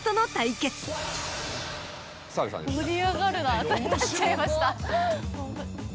盛り上がるなぁ立っちゃいました。